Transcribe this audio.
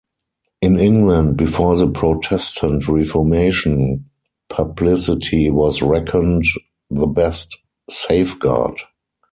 In England, before the Protestant Reformation, publicity was reckoned the best safeguard.